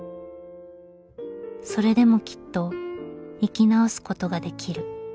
それでもきっと生きなおすことができる。